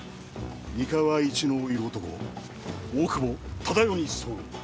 三河一の色男大久保忠世に候。